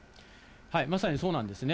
まさにそうなんですね。